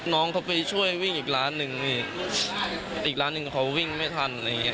น้องเขาไปช่วยวิ่งอีกร้านหนึ่งอีกอีกร้านหนึ่งเขาวิ่งไม่ทัน